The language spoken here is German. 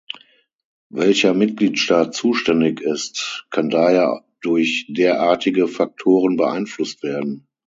Welcher Mitgliedstaat zuständig ist, kann daher durch derartige Faktoren beeinflusst werden.